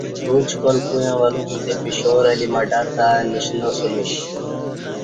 پعوچ کال کویݩہ ولو بوتے پشاور اہ لی مٹر تہ نشناسمیش